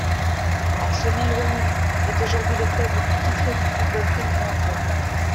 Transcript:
Arsenal Women est aujourd'hui le club le plus titré du football féminin anglais.